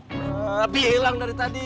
tapi hilang dari tadi